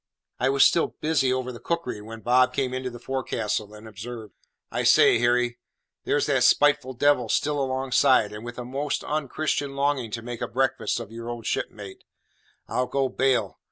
I was still busy over the cookery, when Bob came into the forecastle, and observed: "I say, Harry, there's that spiteful devil still alongside, and with a most onchristian longing to make a breakfast off of your old shipmate, I'll go bail!